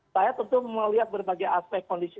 saya tentu melihat berbagai aspek kondisi